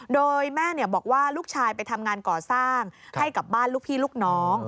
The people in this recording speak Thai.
โดยแม่บอกว่าลูกชายไปทำงานก่อสร้างให้กับบ้านลูกพี่ลูกน้อง